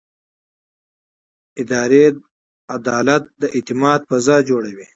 اداري عدالت د اعتماد فضا جوړوي.